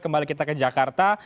kembali kita ke jakarta